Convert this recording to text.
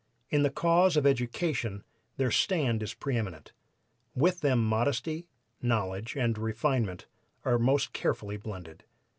In the cause of education their stand is pre eminent. With them modesty, knowledge and refinement are most carefully blended.